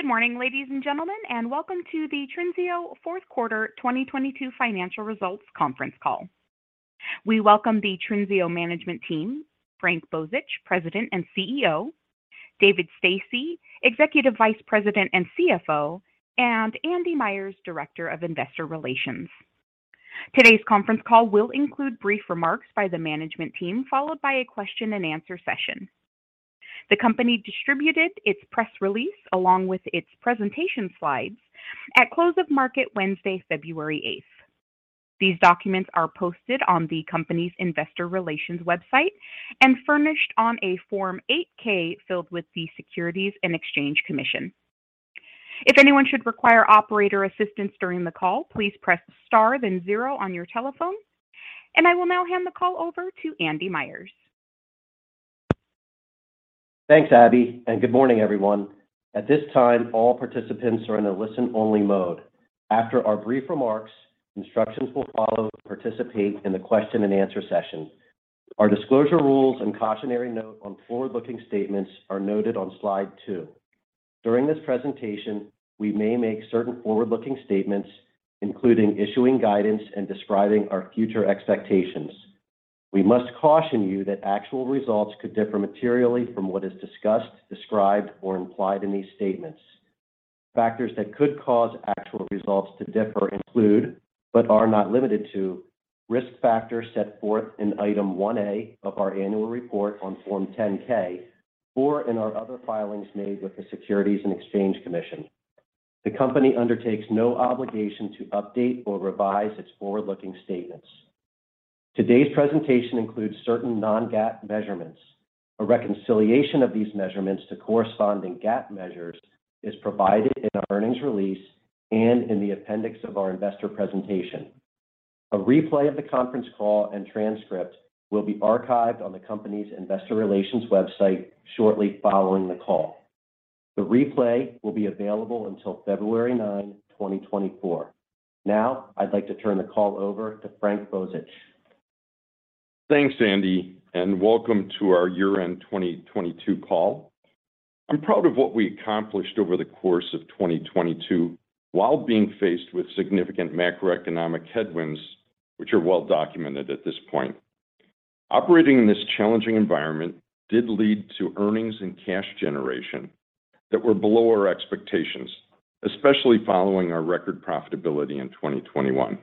Good morning, ladies and gentlemen, welcome to the Trinseo fourth quarter 2022 financial results conference call. We welcome the Trinseo management team, Frank Bozich, President and CEO, David Stasse, Executive Vice President and CFO, and Andy Myers, Director of Investor Relations. Today's conference call will include brief remarks by the management team, followed by a question and answer session. The company distributed its press release along with its presentation slides at close of market Wednesday, February 8th. These documents are posted on the company's investor relations website and furnished on a Form 8-K filed with the Securities and Exchange Commission. If anyone should require operator assistance during the call, please press star then zero on your telephone. I will now hand the call over to Andy Myers. Thanks, Abby. Good morning, everyone. At this time, all participants are in a listen only mode. After our brief remarks, instructions will follow to participate in the question and answer session. Our disclosure rules and cautionary note on forward-looking statements are noted on slide two. During this presentation, we may make certain forward-looking statements, including issuing guidance and describing our future expectations. We must caution you that actual results could differ materially from what is discussed, described, or implied in these statements. Factors that could cause actual results to differ include, but are not limited to, risk factors set forth in item 1A of our annual report on Form 10-K or in our other filings made with the Securities and Exchange Commission. The company undertakes no obligation to update or revise its forward-looking statements. Today's presentation includes certain non-GAAP measurements. A reconciliation of these measurements to corresponding GAAP measures is provided in our earnings release and in the appendix of our investor presentation. A replay of the conference call and transcript will be archived on the company's investor relations website shortly following the call. The replay will be available until February 9, 2024. Now, I'd like to turn the call over to Frank Bozich. Thanks, Andy. Welcome to our year-end 2022 call. I'm proud of what we accomplished over the course of 2022 while being faced with significant macroeconomic headwinds, which are well documented at this point. Operating in this challenging environment did lead to earnings and cash generation that were below our expectations, especially following our record profitability in 2021.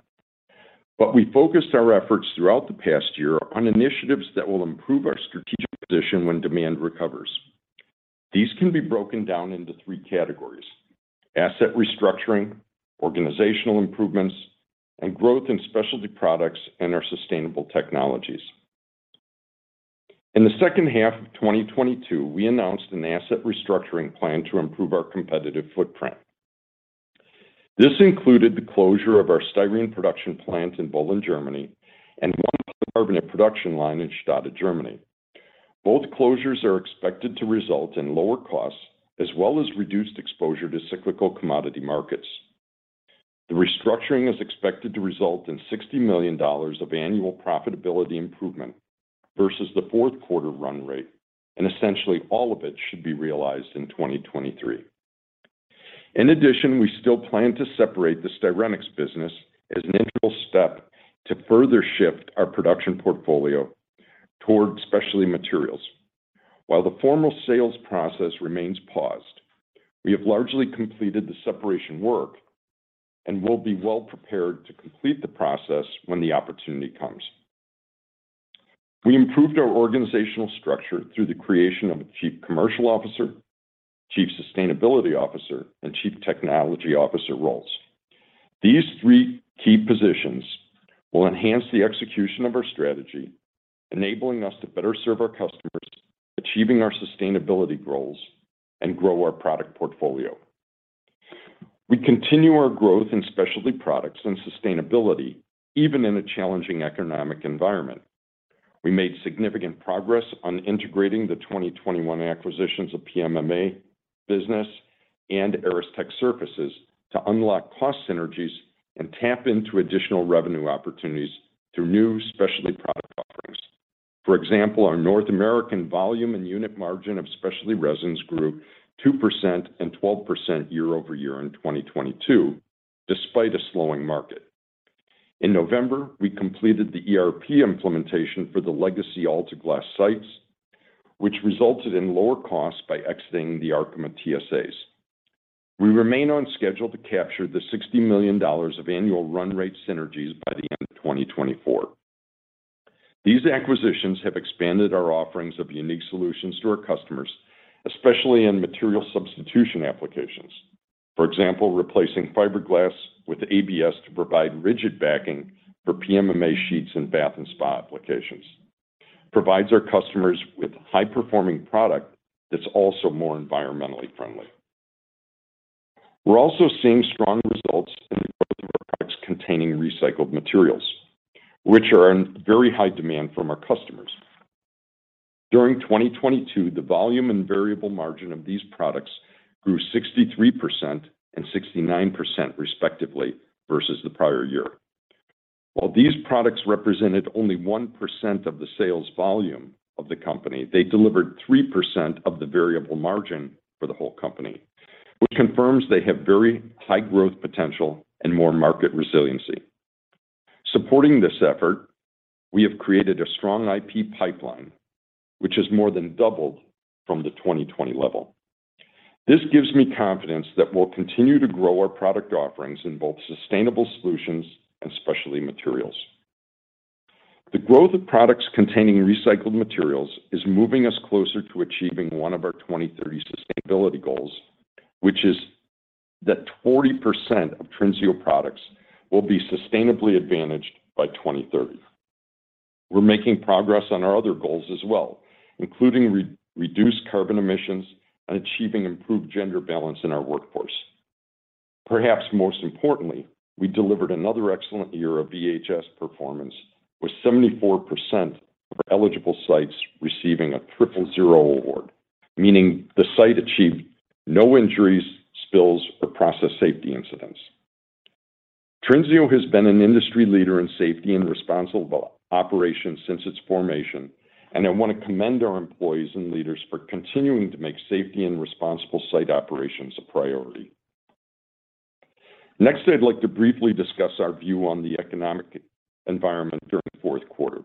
We focused our efforts throughout the past year on initiatives that will improve our strategic position when demand recovers. These can be broken down into three categories: asset restructuring, organizational improvements, and growth in specialty products and our sustainable technologies. In the second half of 2022, we announced an asset restructuring plan to improve our competitive footprint. This included the closure of our styrene production plant in Böhlen, Germany, and one polycarbonate production line in Stade, Germany. Both closures are expected to result in lower costs as well as reduced exposure to cyclical commodity markets. The restructuring is expected to result in $60 million of annual profitability improvement versus the fourth quarter run rate. Essentially all of it should be realized in 2023. In addition, we still plan to separate the Styrenics business as an integral step to further shift our production portfolio toward specialty materials. While the formal sales process remains paused, we have largely completed the separation work and will be well-prepared to complete the process when the opportunity comes. We improved our organizational structure through the creation of a Chief Commercial Officer, Chief Sustainability Officer, and Chief Technology Officer roles. These three key positions will enhance the execution of our strategy, enabling us to better serve our customers, achieving our sustainability goals and grow our product portfolio. We continue our growth in specialty products and sustainability, even in a challenging economic environment. We made significant progress on integrating the 2021 acquisitions of PMMA business and Aristech Surfaces to unlock cost synergies and tap into additional revenue opportunities through new specialty product offerings. For example, our North American volume and unit margin of specialty resins grew 2% and 12% year-over-year in 2022, despite a slowing market. In November, we completed the ERP implementation for the legacy Altuglas sites, which resulted in lower costs by exiting the Arkema TSAs. We remain on schedule to capture the $60 million of annual run rate synergies by the end of 2024. These acquisitions have expanded our offerings of unique solutions to our customers, especially in material substitution applications. For example, replacing fiberglass with ABS to provide rigid backing for PMMA sheets in bath and spa applications provides our customers with high performing product that's also more environmentally friendly. We're also seeing strong results in the growth of our products containing recycled materials, which are in very high demand from our customers. During 2022, the volume and variable margin of these products grew 63% and 69% respectively versus the prior year. While these products represented only 1% of the sales volume of the company, they delivered 3% of the variable margin for the whole company, which confirms they have very high growth potential and more market resiliency. Supporting this effort, we have created a strong IP pipeline which has more than doubled from the 2020 level. This gives me confidence that we'll continue to grow our product offerings in both sustainable solutions and specialty materials. The growth of products containing recycled materials is moving us closer to achieving one of our 2030 sustainability goals, which is that 40% of Trinseo products will be sustainably advantaged by 2030. We're making progress on our other goals as well, including reduced carbon emissions and achieving improved gender balance in our workforce. Perhaps most importantly, we delivered another excellent year of EHS performance, with 74% of eligible sites receiving a Triple Zero Award, meaning the site achieved no injuries, spills, or process safety incidents. Trinseo has been an industry leader in safety and responsible operations since its formation. I want to commend our employees and leaders for continuing to make safety and responsible site operations a priority. Next, I'd like to briefly discuss our view on the economic environment during the fourth quarter.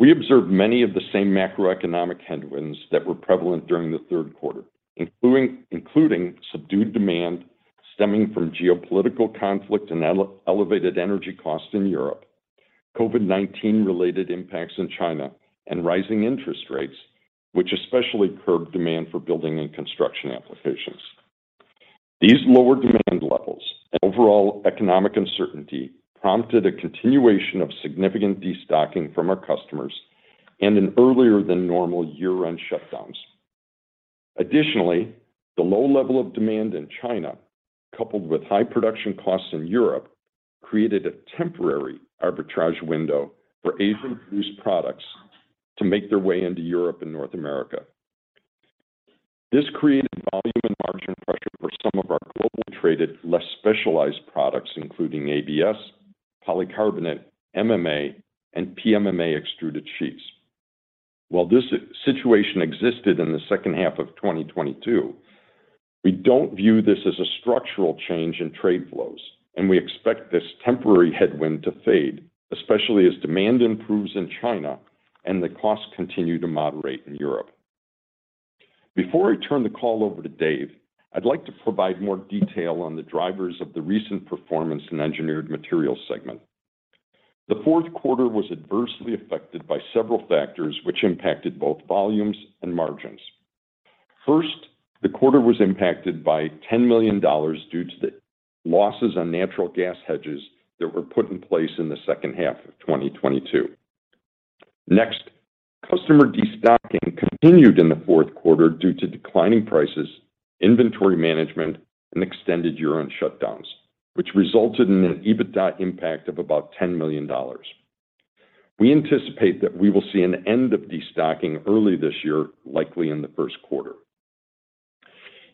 We observed many of the same macroeconomic headwinds that were prevalent during the third quarter, including subdued demand stemming from geopolitical conflict and elevated energy costs in Europe, COVID-19 related impacts in China, and rising interest rates, which especially curbed demand for building and construction applications. These lower demand levels and overall economic uncertainty prompted a continuation of significant destocking from our customers and an earlier than normal year-end shutdowns. Additionally, the low level of demand in China, coupled with high production costs in Europe, created a temporary arbitrage window for Asian-produced products to make their way into Europe and North America. This created volume and margin pressure for some of our global traded, less specialized products including ABS, polycarbonate, MMA, and PMMA extruded sheets. While this situation existed in the second half of 2022, we don't view this as a structural change in trade flows, we expect this temporary headwind to fade, especially as demand improves in China and the costs continue to moderate in Europe. Before I turn the call over to Dave, I'd like to provide more detail on the drivers of the recent performance in Engineered Materials segment. The fourth quarter was adversely affected by several factors which impacted both volumes and margins. First, the quarter was impacted by $10 million due to the losses on natural gas hedges that were put in place in the second half of 2022. Customer destocking continued in the fourth quarter due to declining prices, inventory management, and extended year-end shutdowns, which resulted in an EBITDA impact of about $10 million. We anticipate that we will see an end of destocking early this year, likely in the first quarter.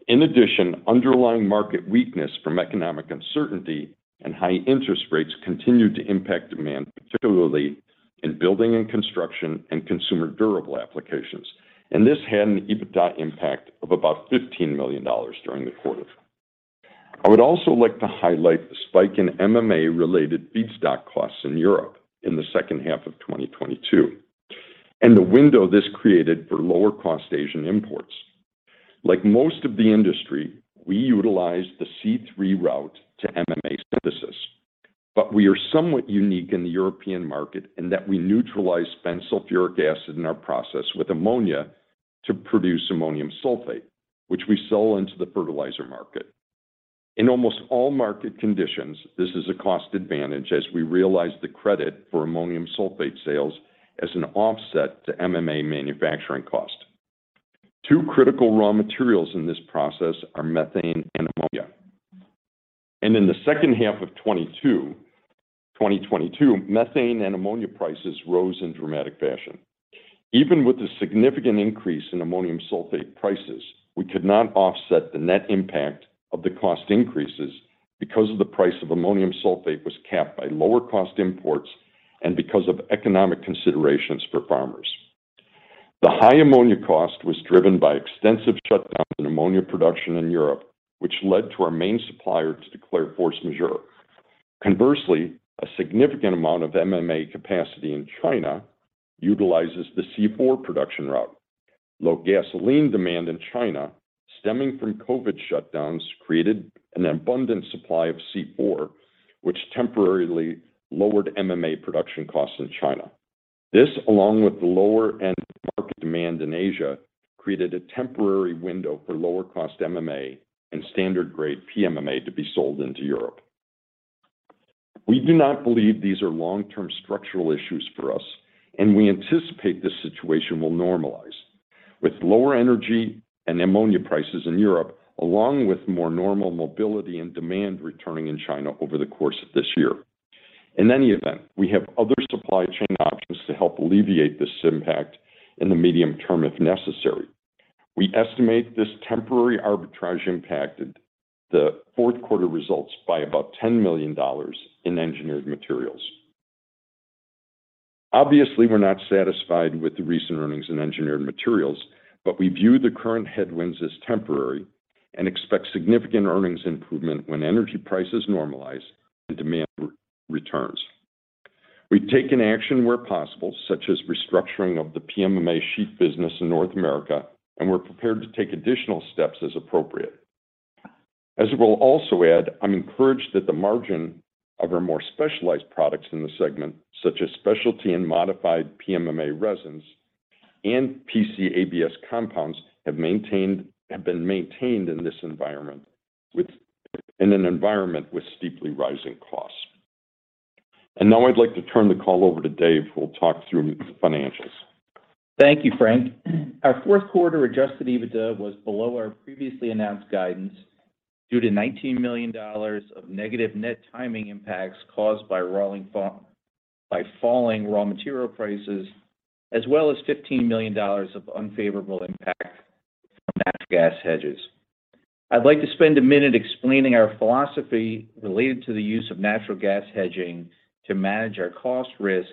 In addition, underlying market weakness from economic uncertainty and high interest rates continued to impact demand, particularly in building and construction and consumer durable applications, this had an EBITDA impact of about $15 million during the quarter. I would also like to highlight the spike in MMA related feedstock costs in Europe in the second half of 2022 and the window this created for lower cost Asian imports. Like most of the industry, we utilize the C3 route to MMA synthesis, but we are somewhat unique in the European market in that we neutralize spent sulfuric acid in our process with ammonia to produce ammonium sulfate, which we sell into the fertilizer market. In almost all market conditions, this is a cost advantage as we realize the credit for ammonium sulfate sales as an offset to MMA manufacturing cost. Two critical raw materials in this process are methane and ammonia. In the second half of 2022, methane and ammonia prices rose in dramatic fashion. Even with the significant increase in ammonium sulfate prices, we could not offset the net impact of the cost increases because of the price of ammonium sulfate was capped by lower cost imports and because of economic considerations for farmers. The high ammonia cost was driven by extensive shutdowns in ammonia production in Europe, which led to our main supplier to declare force majeure. Conversely, a significant amount of MMA capacity in China utilizes the C4 production route. Low gasoline demand in China, stemming from COVID shutdowns, created an abundant supply of C4, which temporarily lowered MMA production costs in China. This, along with the lower end market demand in Asia, created a temporary window for lower cost MMA and standard grade PMMA to be sold into Europe. We do not believe these are long-term structural issues for us, and we anticipate this situation will normalize with lower energy and ammonia prices in Europe, along with more normal mobility and demand returning in China over the course of this year. In any event, we have other supply chain options to help alleviate this impact in the medium term if necessary. We estimate this temporary arbitrage impacted the fourth quarter results by about $10 million in Engineered Materials. Obviously, we're not satisfied with the recent earnings in Engineered Materials, we view the current headwinds as temporary and expect significant earnings improvement when energy prices normalize and demand returns. We've taken action where possible, such as restructuring of the PMMA sheet business in North America. We're prepared to take additional steps as appropriate. As I will also add, I'm encouraged that the margin of our more specialized products in the segment, such as specialty and modified PMMA resins and PC/ABS compounds, have been maintained in an environment with steeply rising costs. Now I'd like to turn the call over to Dave, who will talk through financials. Thank you, Frank. Our fourth quarter adjusted EBITDA was below our previously announced guidance due to $19 million of falling raw material prices, as well as $15 million of unfavorable impact from natural gas hedges. I'd like to spend a minute explaining our philosophy related to the use of natural gas hedging to manage our cost risk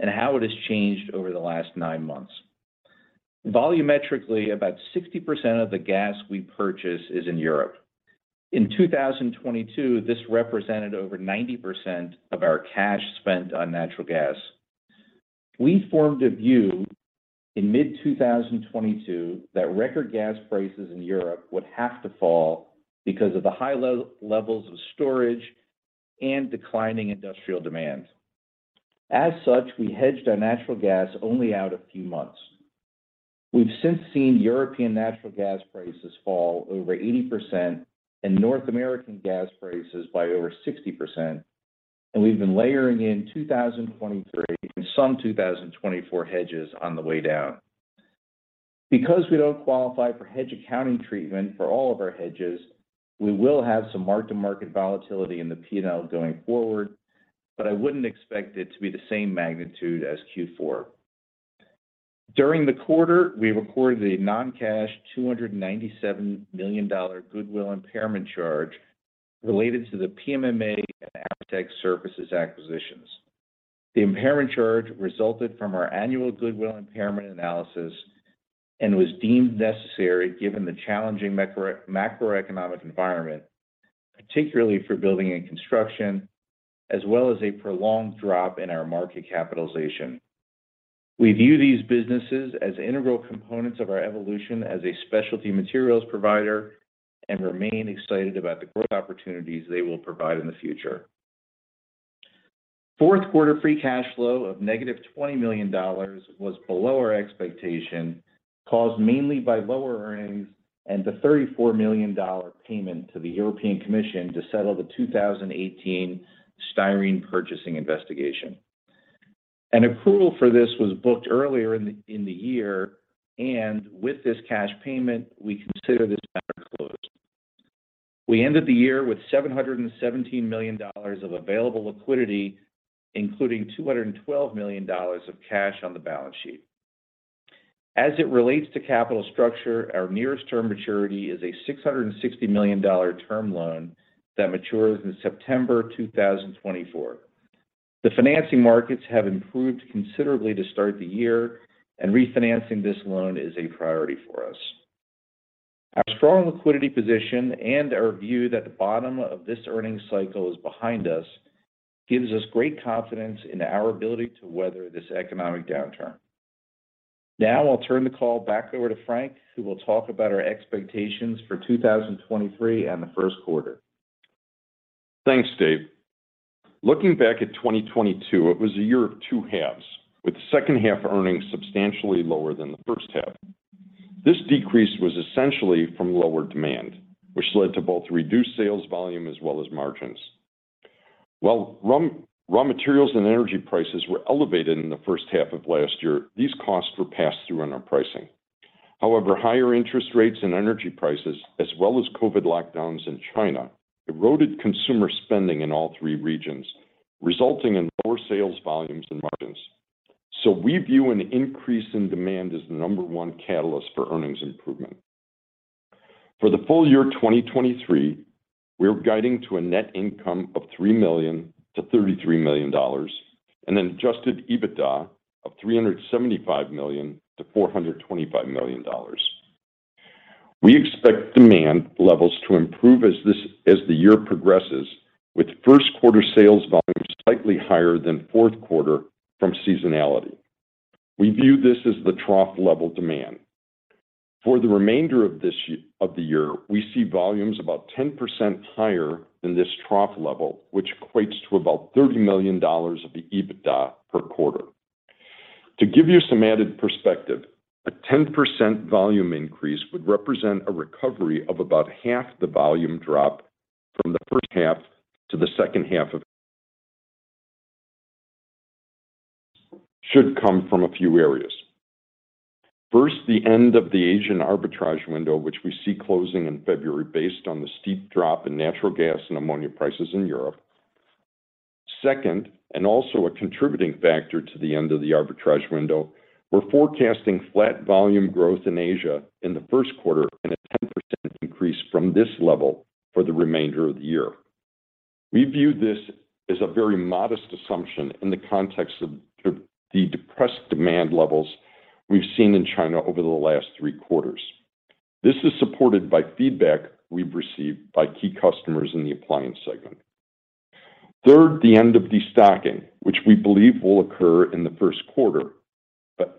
and how it has changed over the last nine months. Volumetrically, about 60% of the gas we purchase is in Europe. In 2022, this represented over 90% of our cash spent on natural gas. We formed a view in mid-2022 that record gas prices in Europe would have to fall because of the high levels of storage and declining industrial demand. As such, we hedged our natural gas only out a few months. We've since seen European natural gas prices fall over 80% and North American gas prices by over 60%, and we've been layering in 2023 and some 2024 hedges on the way down. Because we don't qualify for hedge accounting treatment for all of our hedges, we will have some mark-to-market volatility in the P&L going forward, but I wouldn't expect it to be the same magnitude as Q4. During the quarter, we recorded a non-cash $297 million goodwill impairment charge related to the PMMA and Aristech Surfaces acquisitions. The impairment charge resulted from our annual goodwill impairment analysis and was deemed necessary given the challenging macroeconomic environment, particularly for building and construction, as well as a prolonged drop in our market capitalization. We view these businesses as integral components of our evolution as a specialty materials provider and remain excited about the growth opportunities they will provide in the future. Fourth quarter Free Cash Flow of -$20 million was below our expectation, caused mainly by lower earnings and the $34 million payment to the European Commission to settle the 2018 styrene purchasing investigation. An accrual for this was booked earlier in the year, with this cash payment, we consider this matter closed. We ended the year with $717 million of available liquidity, including $212 million of cash on the balance sheet. As it relates to capital structure, our nearest term maturity is a $660 million term loan that matures in September 2024. The financing markets have improved considerably to start the year, and refinancing this loan is a priority for us. Our strong liquidity position and our view that the bottom of this earnings cycle is behind us gives us great confidence in our ability to weather this economic downturn. Now I'll turn the call back over to Frank, who will talk about our expectations for 2023 and the first quarter. Thanks, Dave. Looking back at 2022, it was a year of two halves, with second half earnings substantially lower than the first half. This decrease was essentially from lower demand, which led to both reduced sales volume as well as margins. While raw materials and energy prices were elevated in the first half of last year, these costs were passed through on our pricing. Higher interest rates and energy prices, as well as COVID lockdowns in China, eroded consumer spending in all three regions, resulting in lower sales volumes and margins. We view an increase in demand as the number one catalyst for earnings improvement. For the full year 2023, we're guiding to a net income of $3 million-$33 million and an adjusted EBITDA of $375 million-$425 million. We expect demand levels to improve as the year progresses with first quarter sales volume slightly higher than fourth quarter from seasonality. We view this as the trough-level demand. For the remainder of the year, we see volumes about 10% higher than this trough level, which equates to about $30 million of the EBITDA per quarter. To give you some added perspective, a 10% volume increase would represent a recovery of about half the volume drop from the first half to the second half of. Should come from a few areas. First, the end of the Asian arbitrage window, which we see closing in February based on the steep drop in natural gas and ammonia prices in Europe. Second, also a contributing factor to the end of the arbitrage window, we're forecasting flat volume growth in Asia in the first quarter and a 10% increase from this level for the remainder of the year. We view this as a very modest assumption in the context of the depressed demand levels we've seen in China over the last three quarters. This is supported by feedback we've received by key customers in the appliance segment. Third, the end of destocking, which we believe will occur in the first quarter,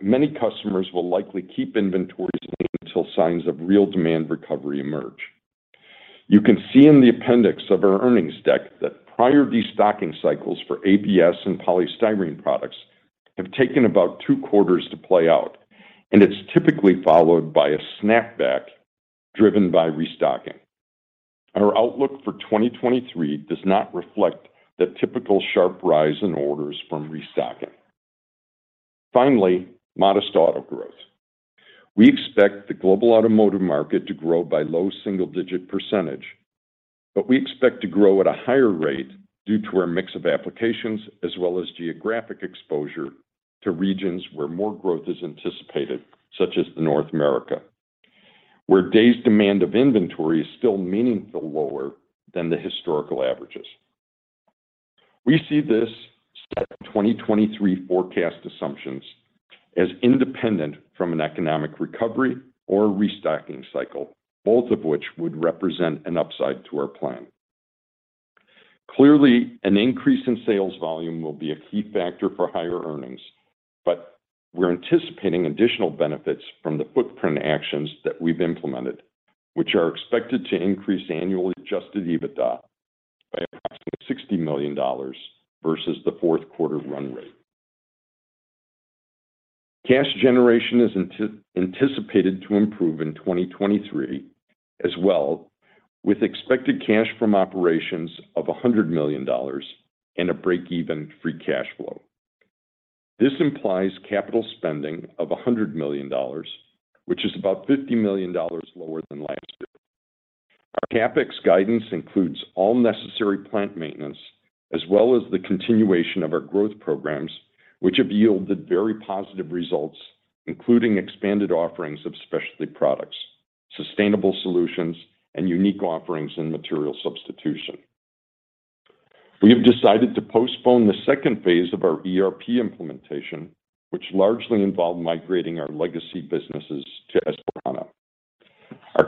many customers will likely keep inventories low until signs of real demand recovery emerge. You can see in the appendix of our earnings deck that prior destocking cycles for ABS and polystyrene products have taken about two quarters to play out. It's typically followed by a snapback driven by restocking. Our outlook for 2023 does not reflect the typical sharp rise in orders from restocking. Finally, modest auto growth. We expect the global automotive market to grow by low single-digit percentage, we expect to grow at a higher rate due to our mix of applications as well as geographic exposure to regions where more growth is anticipated, such as North America, where days demand of inventory is still meaningfully lower than the historical averages. We see this set of 2023 forecast assumptions as independent from an economic recovery or restocking cycle, both of which would represent an upside to our plan. Clearly, an increase in sales volume will be a key factor for higher earnings, but we're anticipating additional benefits from the footprint actions that we've implemented, which are expected to increase annually adjusted EBITDA by approximately $60 million versus the fourth quarter run rate. Cash generation is anticipated to improve in 2023 as well, with expected cash from operations of $100 million and a break-even free cash flow. This implies capital spending of $100 million, which is about $50 million lower than last year. Our CapEx guidance includes all necessary plant maintenance as well as the continuation of our growth programs, which have yielded very positive results, including expanded offerings of specialty products, sustainable solutions, and unique offerings in material substitution. We have decided to postpone the second phase of our ERP implementation, which largely involved migrating our legacy businesses to Esperanto.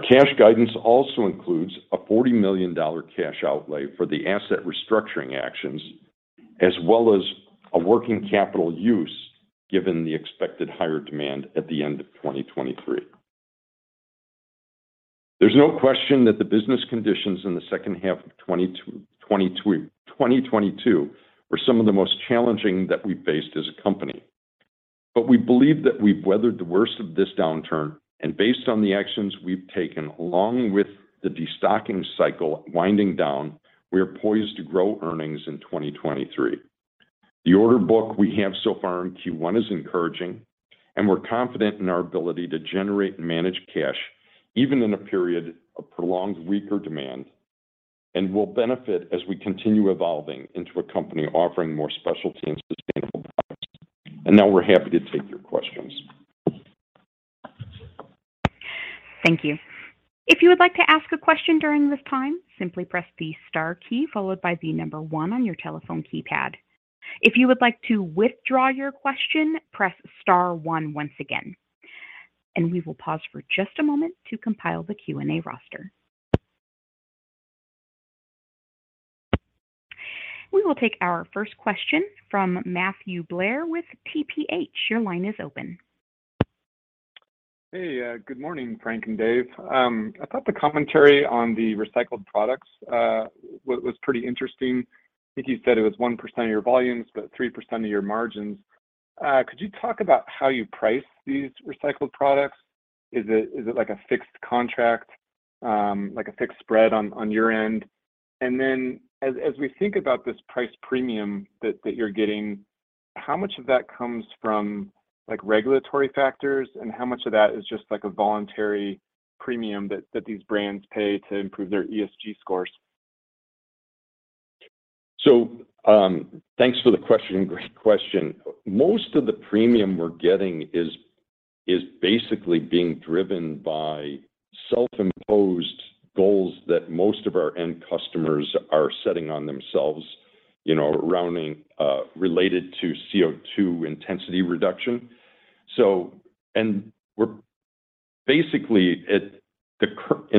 Our cash guidance also includes a $40 million cash outlay for the asset restructuring actions, as well as a working capital use given the expected higher demand at the end of 2023. There's no question that the business conditions in the second half of 2022 were some of the most challenging that we faced as a company. We believe that we've weathered the worst of this downturn, and based on the actions we've taken, along with the destocking cycle winding down, we are poised to grow earnings in 2023. The order book we have so far in Q1 is encouraging, and we're confident in our ability to generate and manage cash even in a period of prolonged weaker demand, and will benefit as we continue evolving into a company offering more specialty and sustainable products. Now we're happy to take your questions. Thank you. If you would like to ask a question during this time, simply press the star key followed by the number one on your telephone keypad. If you would like to withdraw your question, press star one once again. We will pause for just a moment to compile the Q&A roster. We will take our first question from Matthew Blair with TPH. Your line is open. Hey, good morning, Frank and Dave. I thought the commentary on the recycled products was pretty interesting. I think you said it was 1% of your volumes, but 3% of your margins. Could you talk about how you price these recycled products? Is it like a fixed contract, like a fixed spread on your end? As we think about this price premium that you're getting, how much of that comes from like regulatory factors, and how much of that is just like a voluntary premium that these brands pay to improve their ESG scores? Thanks for the question. Great question. Most of the premium we're getting is basically being driven by self-imposed goals that most of our end customers are setting on themselves, you know, around related to CO₂ intensity reduction. And we're basically in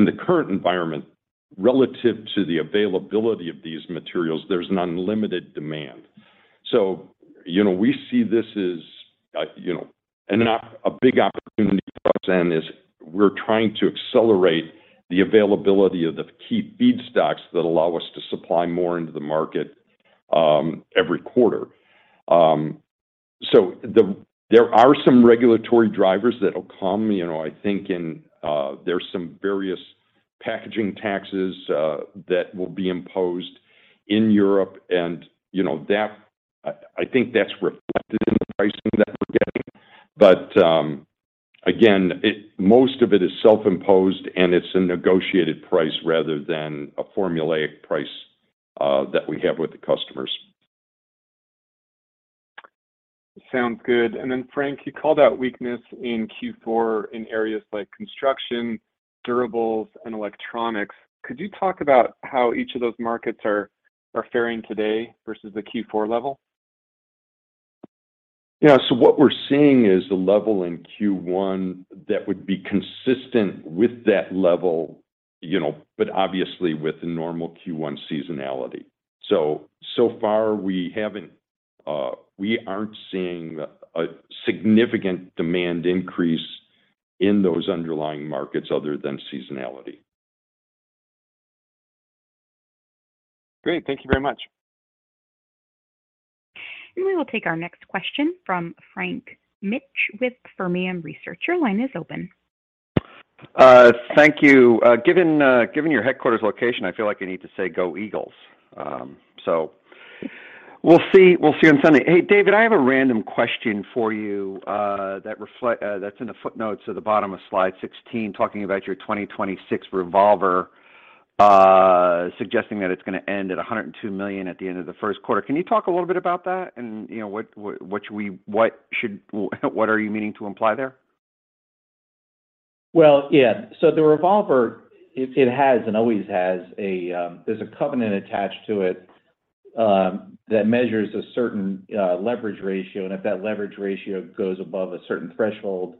the current environment, relative to the availability of these materials, there's an unlimited demand. You know, we see this as, you know, and a big opportunity for us, and we're trying to accelerate the availability of the key feedstocks that allow us to supply more into the market every quarter. There are some regulatory drivers that'll come, you know, I think in, there's some various packaging taxes that will be imposed in Europe and, you know, that I think that's reflected in the pricing that we're getting. Again, most of it is self-imposed, and it's a negotiated price rather than a formulaic price that we have with the customers. Sounds good. Frank, you called out weakness in Q4 in areas like construction, durables, and electronics. Could you talk about how each of those markets are faring today versus the Q4 level? Yeah. What we're seeing is a level in Q1 that would be consistent with that level, you know, but obviously with the normal Q1 seasonality. So far we haven't, we aren't seeing a significant demand increase in those underlying markets other than seasonality. Great. Thank you very much. We will take our next question from Frank Mitsch with Fermium Research. Your line is open. Thank you. Given your headquarters location, I feel like I need to say go Eagles. We'll see, we'll see on Sunday. Hey, David, I have a random question for you, that's in the footnotes at the bottom of slide 16, talking about your 2026 revolver, suggesting that it's gonna end at $102 million at the end of the first quarter. Can you talk a little bit about that? You know, what should we what should what are you meaning to imply there? Yeah. The revolver, it has and always has a, there's a covenant attached to it, that measures a certain leverage ratio. If that leverage ratio goes above a certain threshold,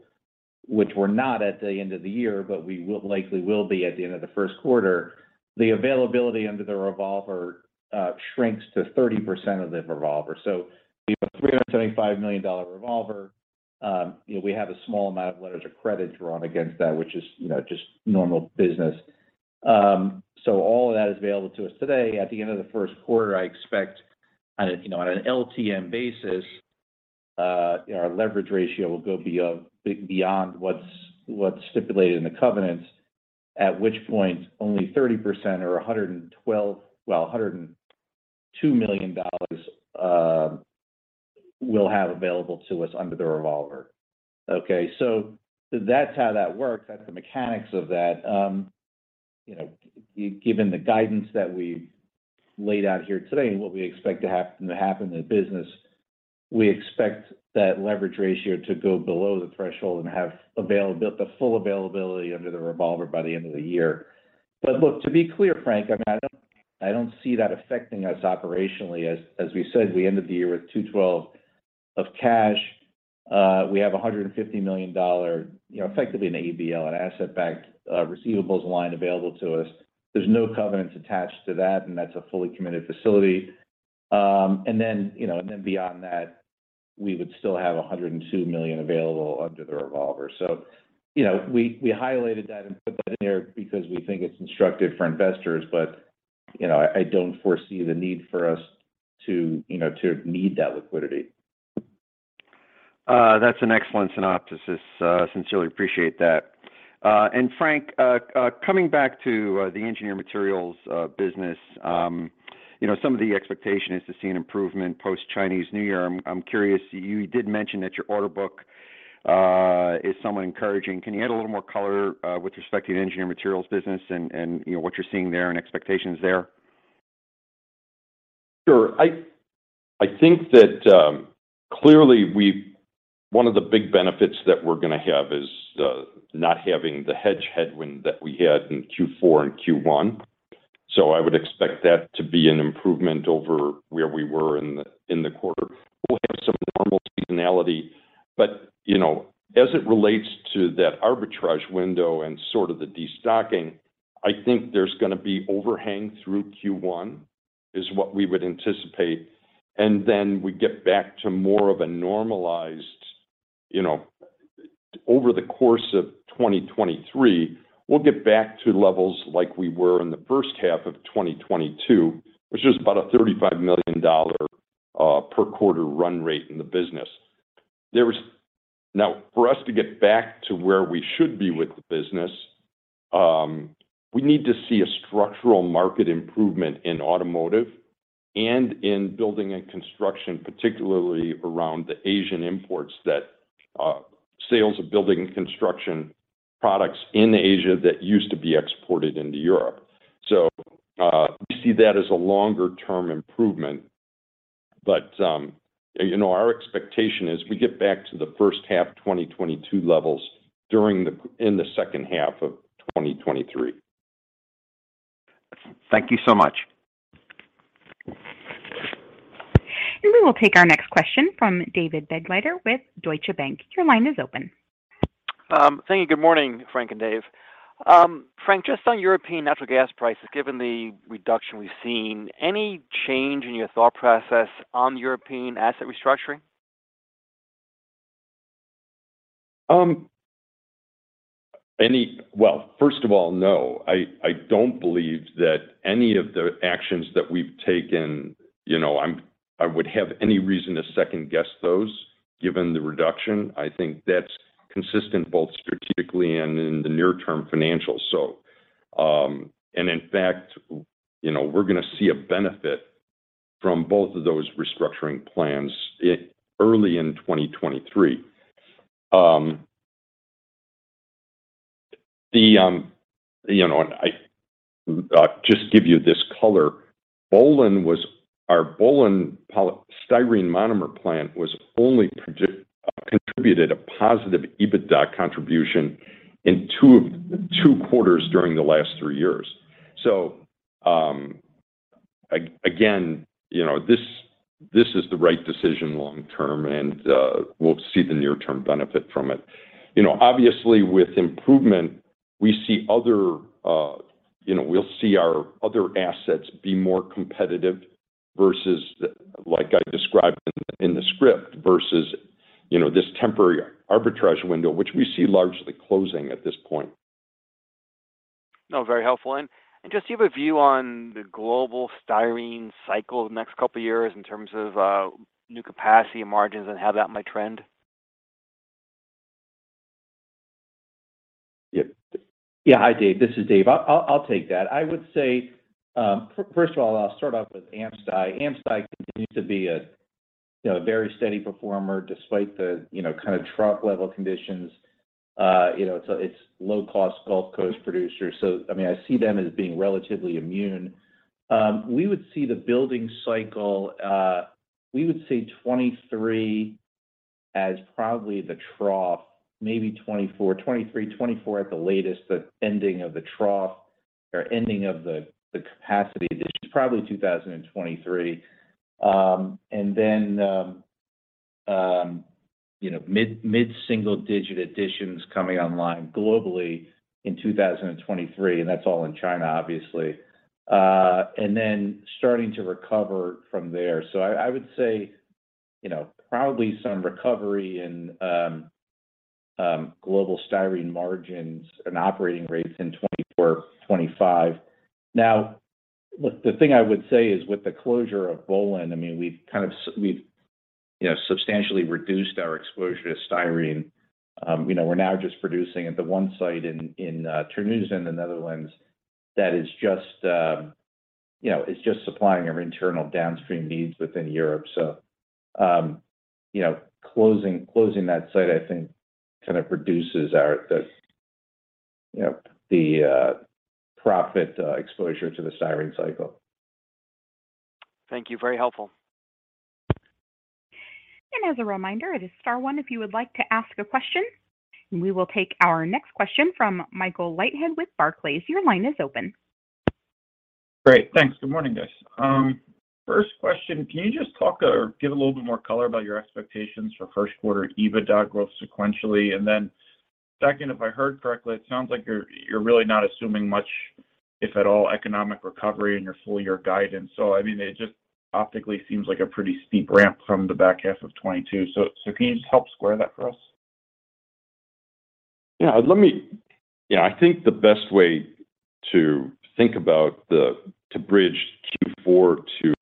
which we're not at the end of the year, but likely will be at the end of the first quarter, the availability under the revolver shrinks to 30% of the revolver. We have a $375 million revolver. You know, we have a small amount of letters of credit drawn against that, which is, you know, just normal business. All of that is available to us today. At the end of the first quarter, I expect on a, you know, on an LTM basis, you know, our leverage ratio will go beyond what's stipulated in the covenants, at which point only 30% or $112 million, well, $102 million, we'll have available to us under the revolver. Okay. That's how that works. That's the mechanics of that. You know, given the guidance that we laid out here today and what we expect to happen in the business, we expect that leverage ratio to go below the threshold and have the full availability under the revolver by the end of the year. Look, to be clear, Frank, I mean, I don't see that affecting us operationally. As we said, we ended the year with $212 million of cash. We have $150 million, you know, effectively an ABL, an asset-backed, receivables line available to us. There's no covenants attached to that, and that's a fully committed facility. You know, and then beyond that, we would still have $102 million available under the revolver. You know, we highlighted that and put that in there because we think it's instructive for investors. You know, I don't foresee the need for us to, you know, to need that liquidity. That's an excellent synopsis. Sincerely appreciate that. Frank, coming back to the Engineered Materials business, you know, some of the expectation is to see an improvement post-Chinese New Year. I'm curious, you did mention that your order book is somewhat encouraging. Can you add a little more color with respect to the Engineered Materials business and, you know, what you're seeing there and expectations there? Sure. I think that clearly one of the big benefits that we're gonna have is not having the hedge headwind that we had in Q4 and Q1. I would expect that to be an improvement over where we were in the quarter. We'll have some normal seasonality, but, you know, as it relates to that arbitrage window and sort of the destocking, I think there's gonna be overhang through Q1, is what we would anticipate. We get back to more of a normalized, you know. Over the course of 2023, we'll get back to levels like we were in the first half of 2022, which is about a $35 million per quarter run rate in the business. Now, for us to get back to where we should be with the business, we need to see a structural market improvement in automotive and in building and construction, particularly around the Asian imports that sales of building and construction products in Asia that used to be exported into Europe. We see that as a longer term improvement. you know, our expectation is we get back to the first half 2022 levels in the second half of 2023. Thank you so much. We will take our next question from David Begleiter with Deutsche Bank. Your line is open. Thank you. Good morning, Frank and Dave. Frank, just on European natural gas prices, given the reduction we've seen, any change in your thought process on European asset restructuring? Well, first of all, no. I don't believe that any of the actions that we've taken, you know, I would have any reason to second-guess those given the reduction. I think that's consistent both strategically and in the near term financials. In fact, you know, we're gonna see a benefit from both of those restructuring plans early in 2023. The, you know, I just give you this color, our Böhlen styrene monomer plant was only contributed a positive EBITDA contribution in two quarters during the last three years. Again, you know, this is the right decision long term, and we'll see the near-term benefit from it. You know, obviously with improvement we see other, you know, we'll see our other assets be more competitive versus the, like I described in the, in the script, versus, you know, this temporary arbitrage window, which we see largely closing at this point. No, very helpful. Just do you have a view on the global styrene cycle the next couple of years in terms of new capacity and margins, and how that might trend? Yeah. Yeah. Hi Dave, this is Dave. I'll take that. I would say, first of all, I'll start off with AmSty. AmSty continues to be a, you know, very steady performer despite the, you know, kind of trough level conditions. You know, it's a, it's low cost Gulf Coast producer. I mean, I see them as being relatively immune. We would see the building cycle, we would see 2023 as probably the trough, maybe 2024. 2023, 2024 at the latest, the ending of the trough or ending of the capacity addition, probably 2023. You know, mid-single digit additions coming online globally in 2023, and that's all in China obviously. Starting to recover from there. I would say, you know, probably some recovery in global styrene margins and operating rates in 2024, 2025. Now the thing I would say is with the closure of Böhlen, I mean we've kind of we've, you know, substantially reduced our exposure to styrene. You know, we're now just producing at the one site in Terneuzen in the Netherlands that is just, you know, is just supplying our internal downstream needs within Europe. You know, closing that site I think kind of reduces our, the, you know, the profit exposure to the styrene cycle. Thank you. Very helpful. As a reminder, it is star one if you would like to ask a question. We will take our next question from Michael Leithead with Barclays. Your line is open. Great. Thanks. Good morning, guys. First question, can you just talk or give a little bit more color about your expectations for first quarter EBITDA growth sequentially? Second, if I heard correctly, it sounds like you're really not assuming much, if at all, economic recovery in your full year guidance. I mean, it just optically seems like a pretty steep ramp from the back half of 2022. Can you just help square that for us? Yeah. You know, I think the best way to think about to bridge Q4 to,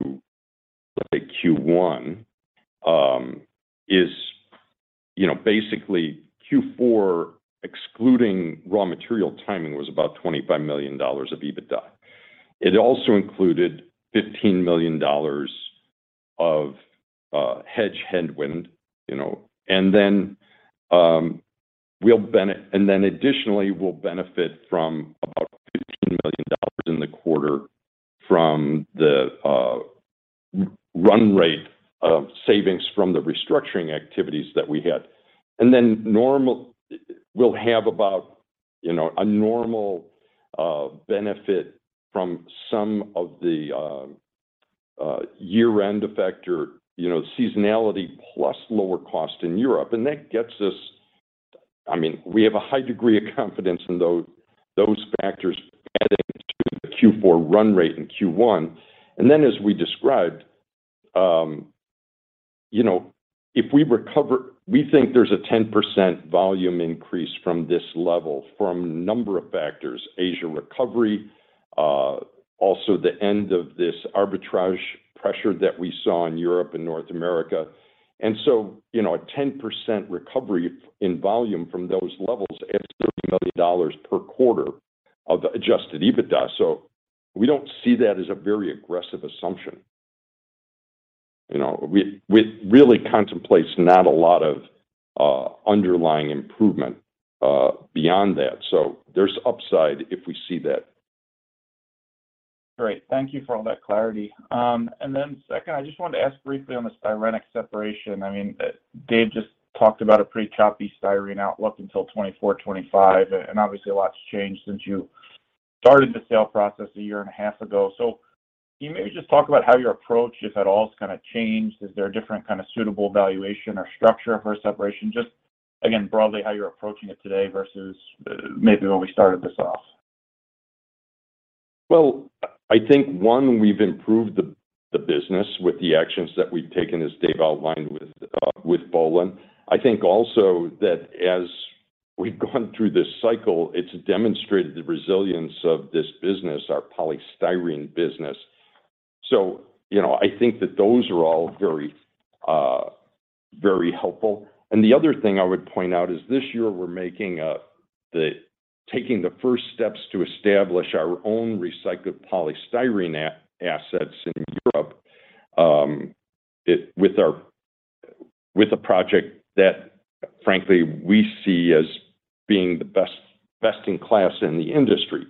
like, Q1, is, you know, basically Q4 excluding raw material timing was about $25 million of EBITDA. It also included $15 million of hedge headwind, you know. Additionally we'll benefit from about $15 million in the quarter from the run rate savings from the restructuring activities that we had. We'll have about, you know, a normal benefit from some of the year-end effect or, you know, seasonality plus lower cost in Europe. That gets us... I mean, we have a high degree of confidence in those factors adding to the Q4 run rate in Q1. As we described, you know, if we think there's a 10% volume increase from this level from a number of factors: Asia recovery, also the end of this arbitrage pressure that we saw in Europe and North America. A 10% recovery in volume from those levels adds $30 million per quarter of adjusted EBITDA. We don't see that as a very aggressive assumption. You know? We really contemplate not a lot of underlying improvement beyond that. There's upside if we see that. Great. Thank you for all that clarity. Then second, I just wanted to ask briefly on the Styrenics separation. I mean, Dave just talked about a pretty choppy styrene outlook until 2024, 2025, and obviously a lot's changed since you started the sale process a year and a half ago. Can you maybe just talk about how your approach, if at all, has kind of changed? Is there a different kind of suitable valuation or structure for a separation? Just again, broadly how you're approaching it today versus maybe when we started this off. I think, one, we've improved the business with the actions that we've taken, as Dave outlined with Böhlen. Also that as we've gone through this cycle, it's demonstrated the resilience of this business, our polystyrene business. You know, I think that those are all very helpful. The other thing I would point out is this year we're taking the first steps to establish our own recycled polystyrene assets in Europe with a project that frankly, we see as being the best in class in the industry.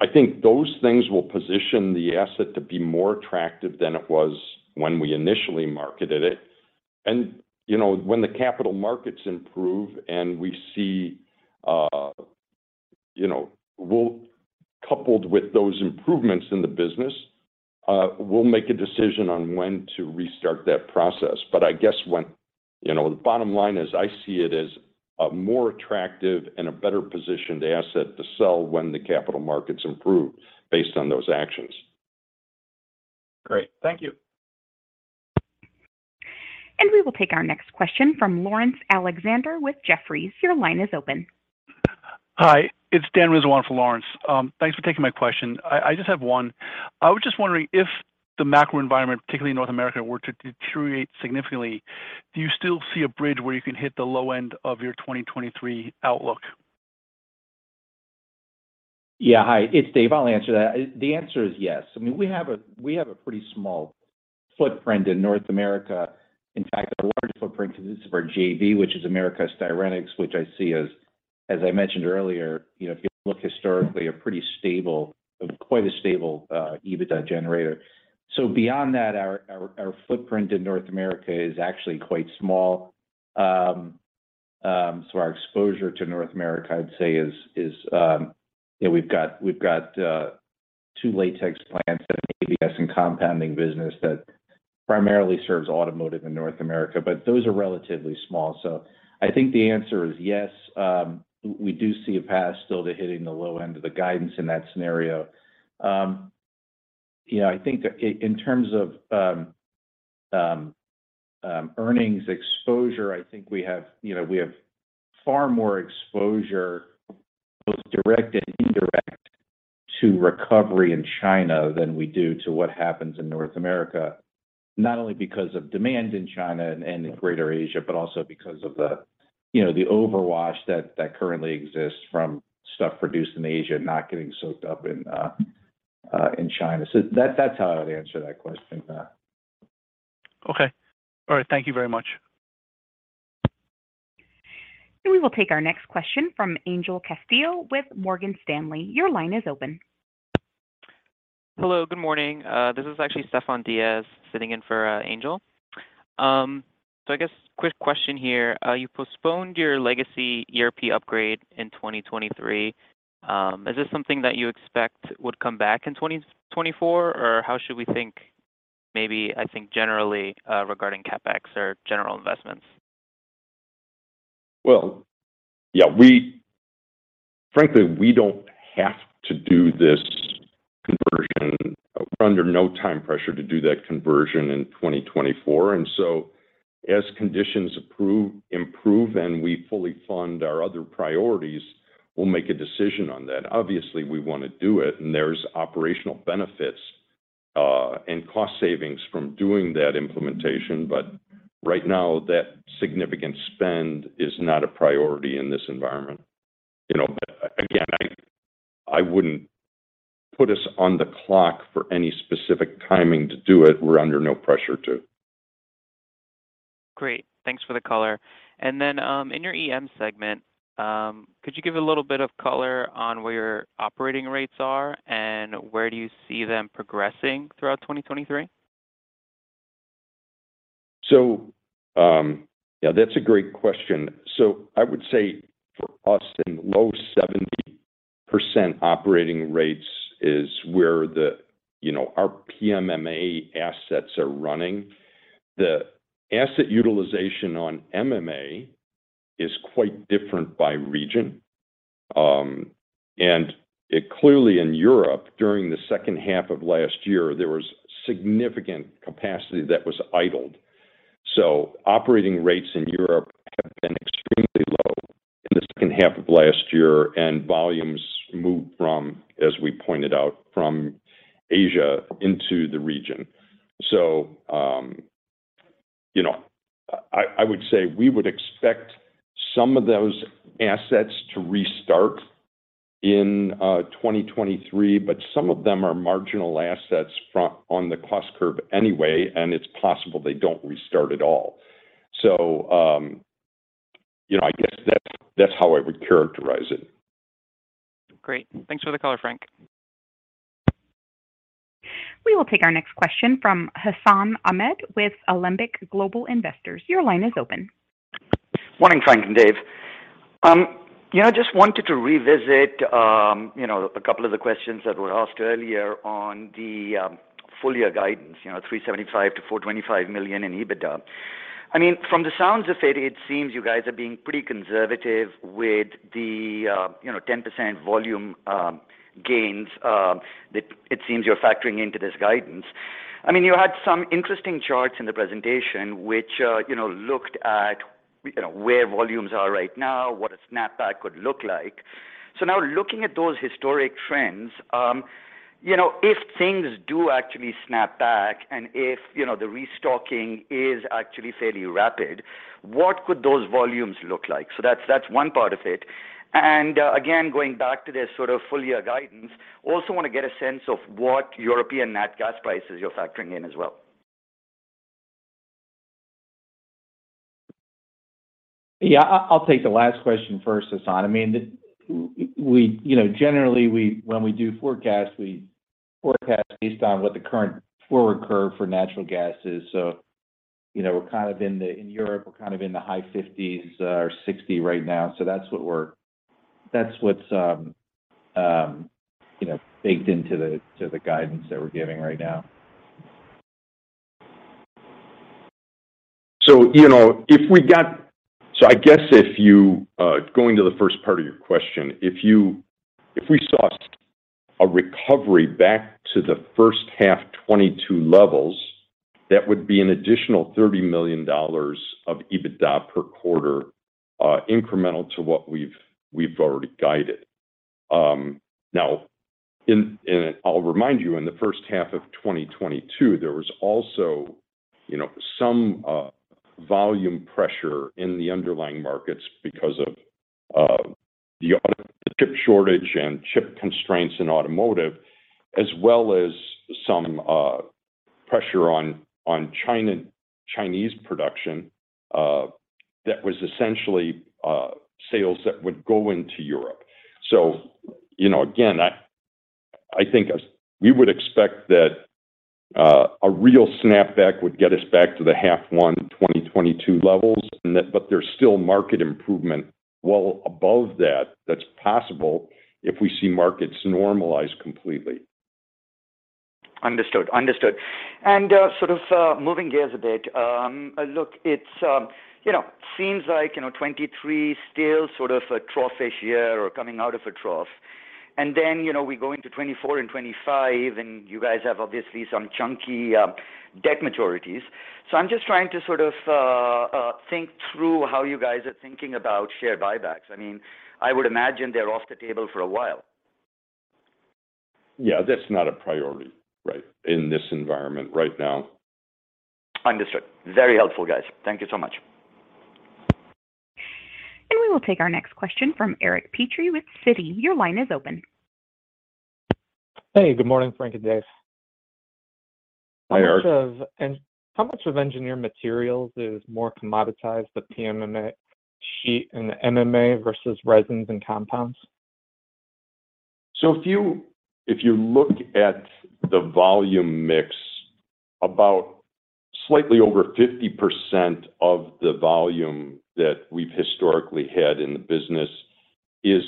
I think those things will position the asset to be more attractive than it was when we initially marketed it. You know, when the capital markets improve and we see, you know, we'll coupled with those improvements in the business, we'll make a decision on when to restart that process. I guess when, you know, the bottom line is I see it as a more attractive and a better positioned asset to sell when the capital markets improve based on those actions. Great. Thank you. We will take our next question from Laurence Alexander with Jefferies. Your line is open. Hi. It's Dan Rizzo for Laurence. Thanks for taking my question. I just have one. I was just wondering if the macro environment, particularly in North America, were to deteriorate significantly, do you still see a bridge where you can hit the low end of your 2023 outlook? Yeah. Hi, it's Dave. I'll answer that. The answer is yes. I mean, we have a pretty small footprint in North America. In fact, our largest footprint consists of our JV, which is Americas Styrenics, which I see as I mentioned earlier, you know, if you look historically, a pretty stable, quite a stable EBITDA generator. Beyond that, our footprint in North America is actually quite small. Our exposure to North America I'd say is, you know, we've got two latex plants that have ABS and compounding business that primarily serves automotive in North America, but those are relatively small. I think the answer is yes. We do see a path still to hitting the low end of the guidance in that scenario. You know, I think that in terms of earnings exposure, I think we have, you know, far more exposure, both direct and indirect, to recovery in China than we do to what happens in North America, not only because of demand in China and greater Asia, but also because of the, you know, the overwash that currently exists from stuff produced in Asia not getting soaked up in China. That's how I'd answer that question. Okay. All right. Thank you very much. We will take our next question from Angel Castillo with Morgan Stanley. Your line is open. Hello. Good morning. This is actually Stefan Diaz sitting in for Angel. I guess quick question here. You postponed your legacy ERP upgrade in 2023. Is this something that you expect would come back in 2024? Or how should we think, maybe, I think generally, regarding CapEx or general investments? Well, yeah, we frankly, we don't have to do this conversion. We're under no time pressure to do that conversion in 2024. As conditions improve and we fully fund our other priorities, we'll make a decision on that. Obviously, we wanna do it, and there's operational benefits, and cost savings from doing that implementation. Right now that significant spend is not a priority in this environment. You know, again, I wouldn't put us on the clock for any specific timing to do it. We're under no pressure to. Great. Thanks for the color. Then, in your EM segment, could you give a little bit of color on where your operating rates are and where do you see them progressing throughout 2023? Yeah, that's a great question. I would say for us in low 70% operating rates is where the, you know, our PMMA assets are running. The asset utilization on MMA is quite different by region. And it clearly in Europe during the second half of last year, there was significant capacity that was idled. Operating rates in Europe have been extremely low in the second half of last year, and volumes moved from, as we pointed out, from Asia into the region. I would say we would expect some of those assets to restart in 2023, but some of them are marginal assets on the cost curve anyway, and it's possible they don't restart at all. I guess that's how I would characterize it. Great. Thanks for the color, Frank. We will take our next question from Hassan Ahmed with Alembic Global Advisors. Your line is open. Morning, Frank and Dave. Yeah, I just wanted to revisit, you know, a couple of the questions that were asked earlier on the full year guidance, you know, $375 million-$425 million in EBITDA. I mean, from the sounds of it seems you guys are being pretty conservative with the, you know, 10% volume gains that it seems you're factoring into this guidance. I mean, you had some interesting charts in the presentation which, you know, looked at, you know, where volumes are right now, what a snap back could look like. Now looking at those historic trends. You know, if things do actually snap back and if, you know, the restocking is actually fairly rapid, what could those volumes look like? That's one part of it. Again, going back to the sort of full year guidance, also wanna get a sense of what European nat gas prices you're factoring in as well. Yeah. I'll take the last question first, Hassan. I mean, the, you know, generally we when we do forecasts, we forecast based on what the current forward curve for natural gas is. You know, we're kind of in Europe, we're kind of in the high EUR 50s or 60 right now, so that's what we're that's what's, you know, baked into the guidance that we're giving right now. I guess if you, going to the first part of your question, if we saw a recovery back to the first half 2022 levels, that would be an additional $30 million of EBITDA per quarter, incremental to what we've already guided. Now in, and I'll remind you, in the first half of 2022, there was also, you know, some volume pressure in the underlying markets because of the chip shortage and chip constraints in automotive, as well as some pressure on Chinese production, that was essentially, sales that would go into Europe. Again, I think as... We would expect that, a real snapback would get us back to the half one 2022 levels but there's still market improvement well above that that's possible if we see markets normalize completely. Understood. Understood. Sort of moving gears a bit, look, it's, you know, seems like, you know, 2023 still sort of a trough-ish year or coming out of a trough. Then, you know, we go into 2024 and 2025 and you guys have obviously some chunky debt maturities. I'm just trying to sort of think through how you guys are thinking about share buybacks. I mean, I would imagine they're off the table for a while. Yeah, that's not a priority, right, in this environment right now. Understood. Very helpful, guys. Thank you so much. We will take our next question from Eric Petrie with Citi. Your line is open. Hey, good morning, Frank and Dave. Hi, Eric. How much of Engineered Materials is more commoditized, the PMMA sheet and the MMA versus resins and compounds? If you look at the volume mix, about slightly over 50% of the volume that we've historically had in the business is,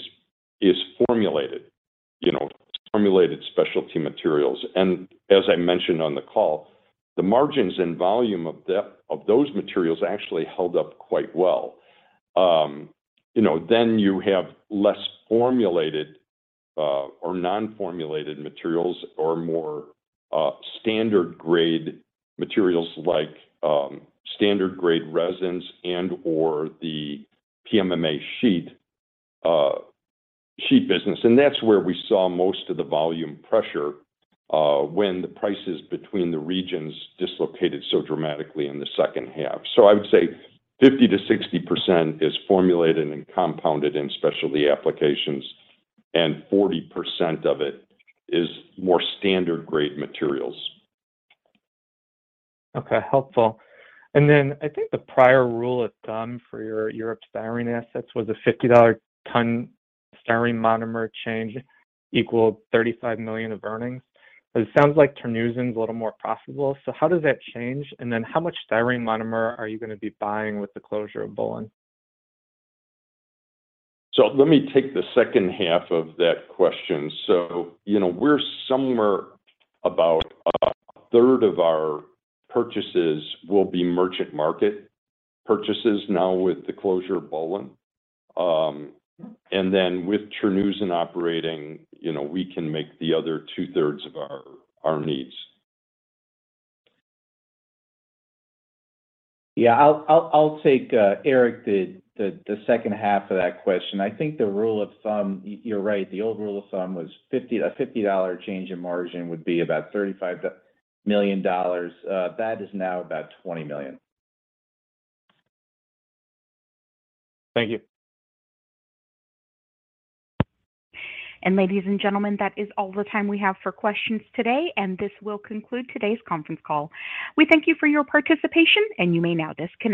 you know, formulated specialty materials. As I mentioned on the call, the margins and volume of those materials actually held up quite well. You have less formulated or non-formulated materials or more standard grade materials like standard grade resins and or the PMMA sheet business. That's where we saw most of the volume pressure when the prices between the regions dislocated so dramatically in the second half. I would say 50%-60% is formulated and compounded in specialty applications, and 40% of it is more standard grade materials. Okay. Helpful. I think the prior rule of thumb for your Europe styrene assets was a $50 ton styrene monomer change equaled $35 million of earnings. It sounds like Terneuzen is a little more profitable. How does that change? How much styrene monomer are you gonna be buying with the closure of Böhlen? Let me take the second half of that question. You know, we're somewhere about a third of our purchases will be merchant market purchases now with the closure of Böhlen. With Terneuzen operating, you know, we can make the other two-thirds of our needs. Yeah. I'll take Eric, the second half of that question. I think the rule of thumb, you're right, the old rule of thumb was a $50 change in margin would be about $35 million. That is now about $20 million. Thank you. Ladies and gentlemen, that is all the time we have for questions today, and this will conclude today's conference call. We thank you for your participation, and you may now disconnect.